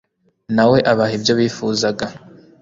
na we abaha ibyo bifuzaga